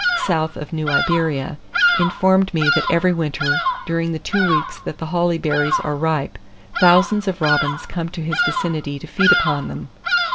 (south of New Iberia) informed me that every winter, during the two weeks that the holly berries are ripe thousands of robins come to his vicinity to feed upon them.